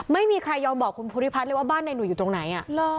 ไม่มีใครยอมบอกคุณภูริพัฒน์เลยว่าบ้านในหุยอยู่ตรงไหน